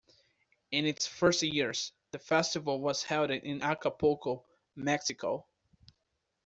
In its first years, the festival was held in Acapulco, Mexico.